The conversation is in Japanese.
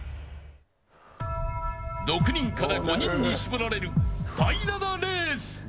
６人から５人に絞られる第７レース。